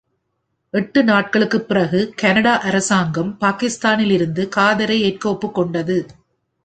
எட்டு நாட்களுக்குப் பிறகு கனடா அரசாங்கம் பாகிஸ்தானில் இருந்து காதரை ஏற்க ஒப்புக்கொண்டது.